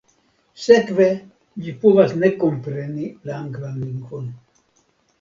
Sekve ĝi povas ne kompreni la anglan lingvon.